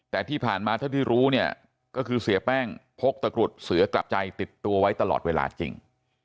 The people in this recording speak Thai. แต่ที่ผ่านมาเท่าที่รู้เนี่ยก็คือเสียแป้งพกตะกรุดเสือกลับใจติดตัวไว้ตลอดเวลาจริง